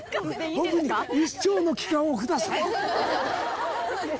僕に一生の期間をください。